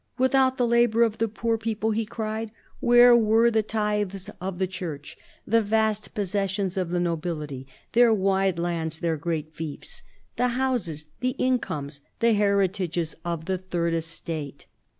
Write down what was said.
" Without the labour of the poor people," he cried, " where were the tithes of the Church — the vast possessions of the nobility, their wide lands, their great fiefs — the houses, the incomes, the heritages of the Third Estate